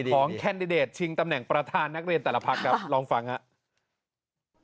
แคนดิเดตชิงตำแหน่งประธานนักเรียนแต่ละพักครับลองฟังครับ